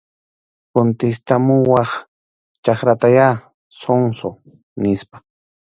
Contestamuwaq chakratayá, zonzo, nispa.